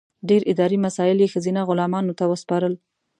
ډېر اداري مسایل یې ښځینه غلامانو ته وسپارل.